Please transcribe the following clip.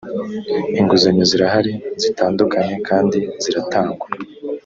inguzanyo zirahari zitandukanye kandi ziratangwa